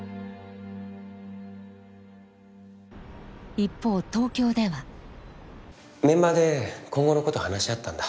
一方東京ではメンバーで今後のこと話し合ったんだ。